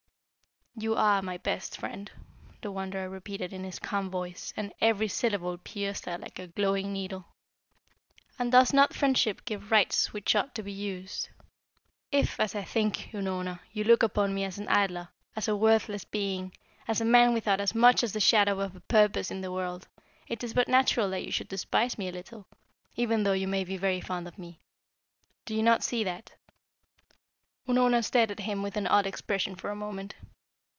"You are my best friend," the Wanderer repeated in his calm voice, and every syllable pierced her like a glowing needle. "And does not friendship give rights which ought to be used? If, as I think, Unorna, you look upon me as an idler, as a worthless being, as a man without as much as the shadow of a purpose in the world, it is but natural that you should despise me a little, even though you may be very fond of me. Do you not see that?" Unorna stared at him with an odd expression for a moment.